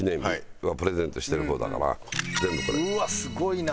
うわっすごいな！